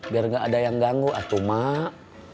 biar gak ada yang ganggu atuh mak